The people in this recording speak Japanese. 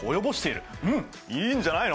うんいいんじゃないの。